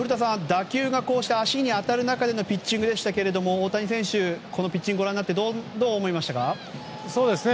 打球が足に当たる中でのピッチングでしたが大谷選手のこのピッチングをご覧になってどう思いましたか？